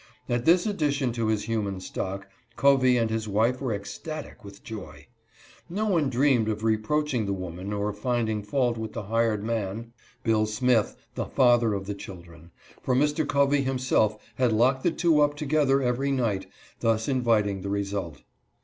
At this addition to his human stock Covey and his wife were ecstatic with joy. No one dreamed of reproaching the woman or of finding fault with the hired man, Bill Smith, the father of the children, for Mr. Covey himself had locked the two up together every night, thus inviting the result.